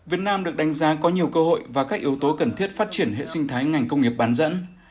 việt nam được đánh giá có nhiều cơ hội và các yếu tố cần thiết phát triển hệ sinh thái ngành công nghiệp bán dẫn